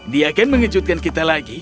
dia akan mengejutkan kita lagi